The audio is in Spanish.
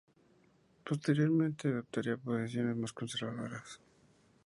Posteriormente adoptaría posiciones más conservadoras.